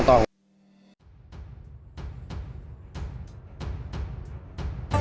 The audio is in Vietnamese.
với phương trâm